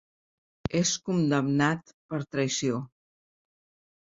És condemnat per traïció.